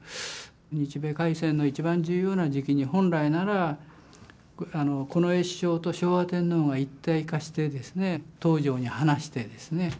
日米開戦の一番重要な時期に本来なら近衛首相と昭和天皇が一体化してですね東條に話してですね